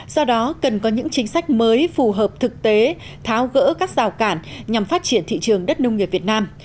do đó cần có những chính sách mới phù hợp thực tế tháo gỡ các rào cản nhằm phát triển thị trường đất nông nghiệp việt nam